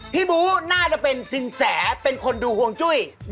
บูน่าจะเป็นสินแสเป็นคนดูห่วงจุ้ย